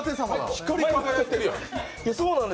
光り輝いてるやん。